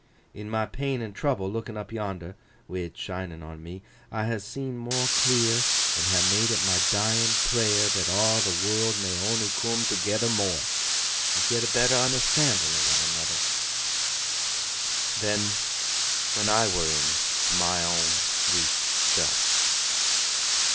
In my pain an' trouble, lookin up yonder,—wi' it shinin on me—I ha' seen more clear, and ha' made it my dyin prayer that aw th' world may on'y coom toogether more, an' get a better unnerstan'in o' one another, than when I were in 't my own weak seln.